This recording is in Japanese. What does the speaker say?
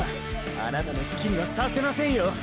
あなたの好きにはさせませんよ！！